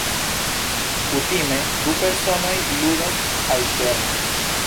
Kutime, du personoj ludas alterne.